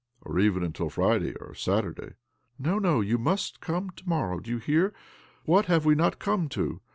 Or even until Friday or Saturday." " No, no ; you must come to morrow. Do you hear ? What have we not come to